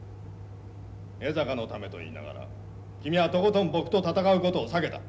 江坂のためと言いながら君はとことん僕と闘うことを避けた。